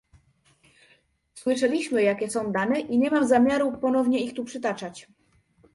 Słyszeliśmy, jakie są dane i nie mam zamiaru ponownie ich tu przytaczać